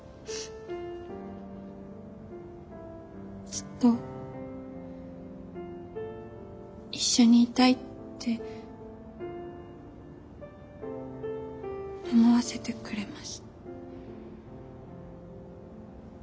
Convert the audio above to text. ずっと一緒にいたいって思わせてくれます。